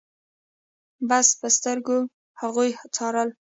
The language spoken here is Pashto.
بس په سترګو يې هغوی څارل.